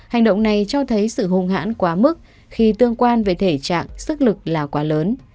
hành động này cho thấy sự hung hãn quá mức khi tương quan về thể trạng sức lực là quá lớn